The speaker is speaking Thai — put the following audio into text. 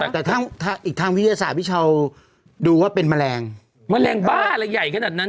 แต่ถ้าอีกทางวิทยาศาสตร์พี่เช้าดูว่าเป็นแมลงแมลงบ้าอะไรใหญ่ขนาดนั้น